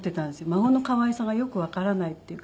孫の可愛さがよくわからないっていうか。